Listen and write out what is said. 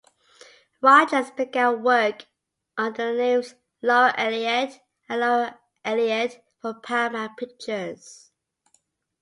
Rogers began work under the names Laura Elliott and Laura Elliot for Paramount Pictures.